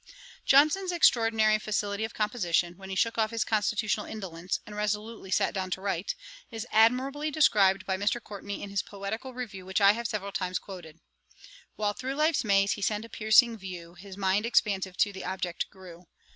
Johnson's extraordinary facility of composition, when he shook off his constitutional indolence, and resolutely sat down to write, is admirably described by Mr. Courtenay, in his Poetical Review, which I have several times quoted: 'While through life's maze he sent a piercing view, His mind expansive to the object grew.